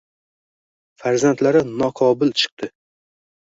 Farzandlari noqobil chiqdi